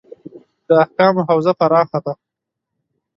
د احکامو حوزه پراخه ده.